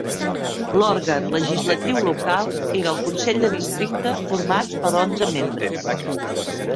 L'òrgan legislatiu local era el Consell de Districte, format per onze membres.